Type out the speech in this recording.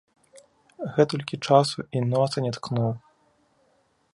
Гэтулькі часу і носа не ткнуў.